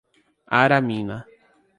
Aramina